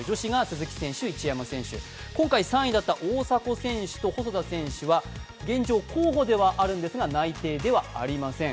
今回３位だった大迫選手と細田選手は現状、候補ではあるんですが内定ではありません。